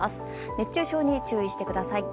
熱中症に注意してください。